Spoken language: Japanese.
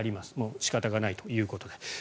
仕方がないということで。